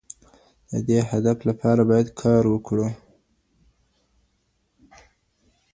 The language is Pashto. د دې هدف لپاره باید کار وکړو.